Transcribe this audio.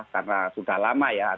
karena sudah lama ya